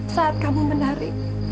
saat kamu menari